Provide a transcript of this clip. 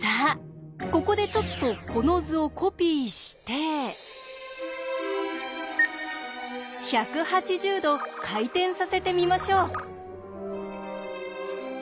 ここでちょっとこの図をコピーして１８０°回転させてみましょう。